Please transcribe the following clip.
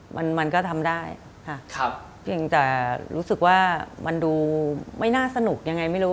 มันก็ทำได้แต่รู้สึกว่ามันดูไม่น่าสนุกยังไงไม่รู้